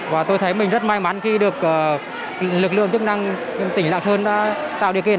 và tôi thấy mình rất may mắn khi được lực lượng chức năng tỉnh lạng sơn đã tạo điều kiện